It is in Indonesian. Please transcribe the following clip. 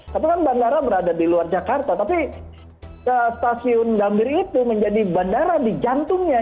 tapi kan bandara berada di luar jakarta tapi stasiun gambir itu menjadi bandara di jantungnya